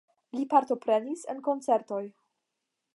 Li partoprenis en koncertoj.